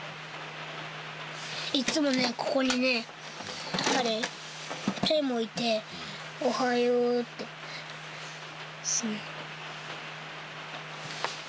いつもね、ここにね、あれ、タイマー置いて、おはようってするの。